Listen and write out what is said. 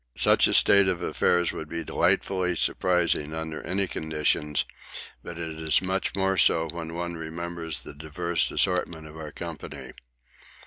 Such a state of affairs would be delightfully surprising under any conditions, but it is much more so when one remembers the diverse assortment of our company.